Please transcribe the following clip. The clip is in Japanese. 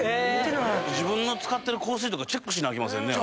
自分の使ってる香水とかチェックしなあきませんね。